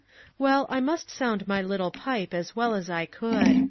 Well, I must sound my little pipe as well as I could.